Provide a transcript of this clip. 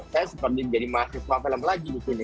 saya seperti menjadi mahasiswa film lagi disini